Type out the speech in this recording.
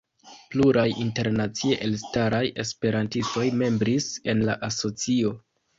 Pluraj internacie elstaraj esperantistoj membris en la asocio.